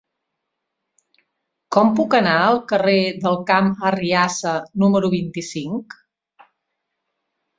Com puc anar al carrer del Camp Arriassa número vint-i-cinc?